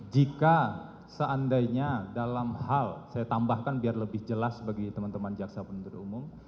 jika seandainya dalam hal saya tambahkan biar lebih jelas bagi teman teman jaksa penuntut umum